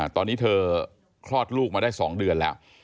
ตอนนี้เธอคลอดลูกมาได้๒เดือนแล้ว